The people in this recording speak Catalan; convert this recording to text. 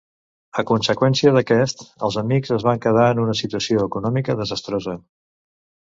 A conseqüència d'aquest, els amics es van quedar en una situació econòmica desastrosa.